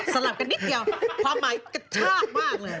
ลับกันนิดเดียวความหมายกระชากมากเลย